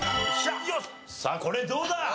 さあこれどうだ？